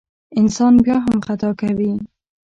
انسان بیا هم خطا کوي.